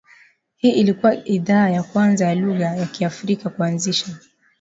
Hii ilikua idhaa ya kwanza ya lugha ya Kiafrika kuanzisha